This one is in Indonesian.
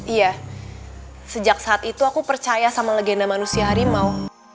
iya sejak saat itu aku percaya sama legenda manusia harimau